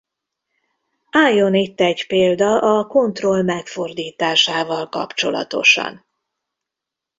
Álljon itt egy példa a kontroll megfordításával kapcsolatosan.